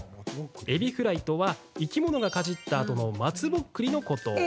エビフライとは生き物が、かじったあとの松ぼっくりのこと。